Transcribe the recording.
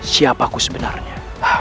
siap aku sebenarnya